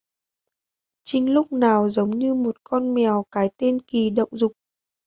Trinh Lúc này giống như một con mèo cái tên kỳ động dục